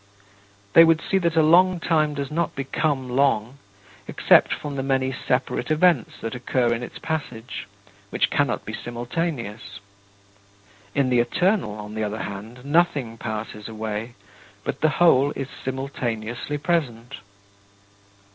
They would see that a long time does not become long, except from the many separate events that occur in its passage, which cannot be simultaneous. In the Eternal, on the other hand, nothing passes away, but the whole is simultaneously present.